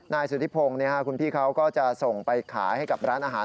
นายสุธิพงศ์คุณพี่เขาก็จะส่งไปขายให้กับร้านอาหาร